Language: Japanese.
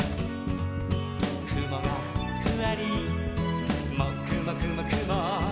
「くもがふわりもくもくもくも」